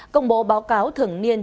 công bố báo cáo thường niên